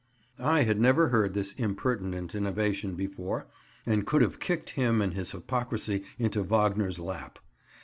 I had never heard this impertinent innovation before, and could have kicked him and his hypocrisy into Wagner's lap.